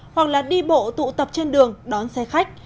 hoặc là đi bộ tụ tập trên đường đón xe khách